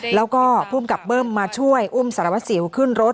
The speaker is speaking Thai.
แล้วก็ภูมิกับเบิ้มมาช่วยอุ้มสารวัสสิวขึ้นรถ